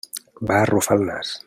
Va arrufar el nas.